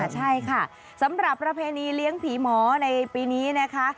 ใช่ค่ะสำหรับประเพณีเลี้ยงผีหมอในปีนี้นะคะ